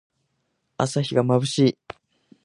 朝日がまぶしい。